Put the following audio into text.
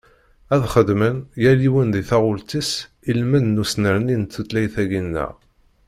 Ad xedmen, yal yiwen di taɣult-is ilmend n usnerni n tutlayt-agi-nneɣ.